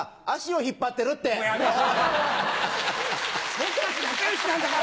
僕たち仲良しなんだから。